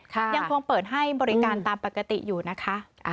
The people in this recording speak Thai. ยังคงเปิดให้บริการตามปกติอยู่นะคะ